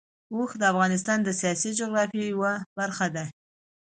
اوښ د افغانستان د سیاسي جغرافیه یوه برخه ده.